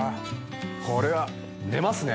これは寝ますね。